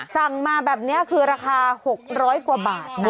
สั่งมาแบบนี้คือราคา๖๐๐กว่าบาทนะ